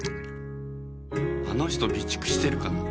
あの人備蓄してるかな？